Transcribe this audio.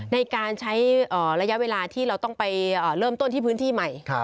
ในการใช้ระยะเวลาที่เราต้องไปเริ่มต้นที่พื้นที่ใหม่